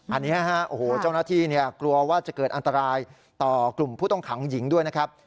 อันนี้ฮะโอ้โหเจ้าหน้าที่กลัวว่าจะเกิดอันตรายต่อกลุ่มผู้ต้องขังหญิงด้วยนะครับ